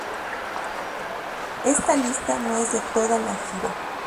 Esta lista no es de toda la gira.